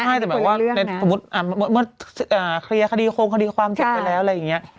ใช่แต่แบบว่าในสมมุติเมื่อเคลียร์คดีโครงคดีความจบไปแล้วอะไรอย่างนี้